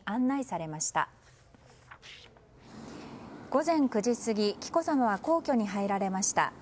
午前９時過ぎ紀子さまは皇居に入られました。